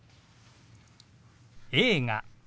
「映画」。